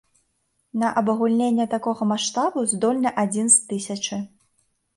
На абагульненне такога маштабу здольны адзін з тысячы.